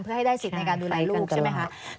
เพื่อให้ได้สิทธิ์ในการดูแลลูกใช่ไหมคะ